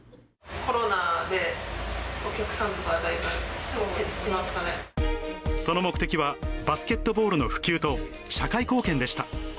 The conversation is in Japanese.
コロナでお客さんとかだいぶその目的は、バスケットボールの普及と社会貢献でした。